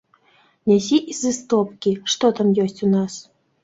Нясі з істопкі, што там ёсць у нас.